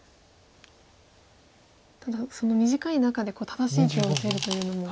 ただ短い中で正しい手を打てるというのも。